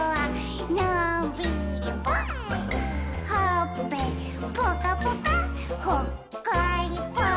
「ほっぺぽかぽかほっこりぽっ」